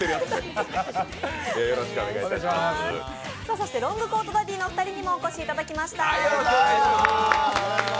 そしてロングコートダディのお二人にもお越しいただきました。